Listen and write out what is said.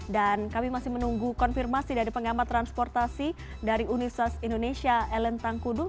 dan kami masih menunggu konfirmasi dari penggambar transportasi dari universitas indonesia ellen tangkudung